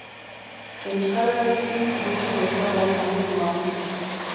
Euskararekin gutxi bezala zaletua.